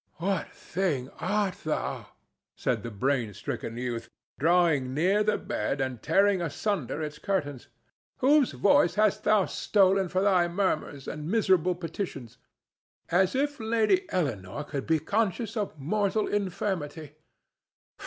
"What thing art thou?" said the brain stricken youth, drawing near the bed and tearing asunder its curtains. "Whose voice hast thou stolen for thy murmurs and miserable petitions, as if Lady Eleanore could be conscious of mortal infirmity?